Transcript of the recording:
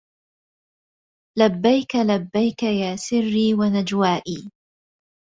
لبيك لبيك يا سري ونجوائي